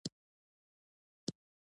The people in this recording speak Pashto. ولی بازی انسانان ذهنی بیماران وی ؟